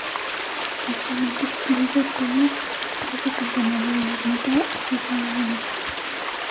Actualmente se utiliza como torre-campanario de una ermita adosada a ella.